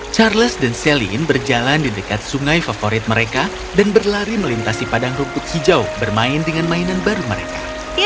charles dan celine berjalan di dekat sungai favorit mereka dan berlari melintasi padang rumput hijau bermain dengan mainan baru mereka